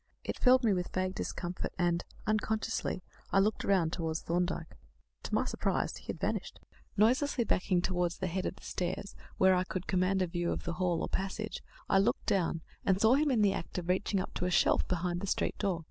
It filled me with vague discomfort, and, unconsciously, I looked round towards Thorndyke. To my surprise he had vanished. Noiselessly backing towards the head of the stairs, where I could command a view of the hall, or passage, I looked down, and saw him in the act of reaching up to a shelf behind the street door.